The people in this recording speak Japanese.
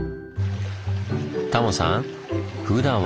タモさん